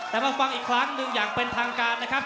แต่มาฟังอีกครั้งหนึ่งอย่างเป็นทางการนะครับ